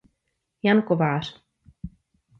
Jan Kovář.